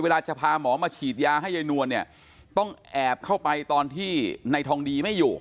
เวลาจะพาหมอมาฉีดยาให้นวลต้องแอบเข้าไปตอนที่นายทองดีไม่อยู่